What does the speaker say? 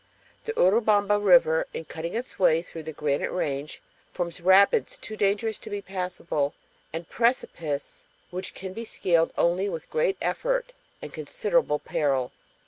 The Urubamba River, in cutting its way through the granite range, forms rapids too dangerous to be passable and precipices which can be scaled only with great effort and considerable peril.